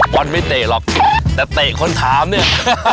บอลไม่เตะหรอกแต่เตะคนถามเนี่ย